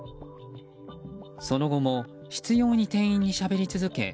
その後も執拗に店員にしゃべり続け